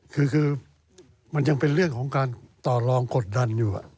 คือมันยังเป็นเรื่องของการต่อลองกดดันอยู่